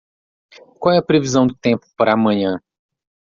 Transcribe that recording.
Qual é a previsão do tempo para amanhã?